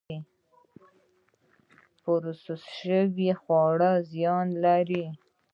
پروسس شوي خواړه زیان لري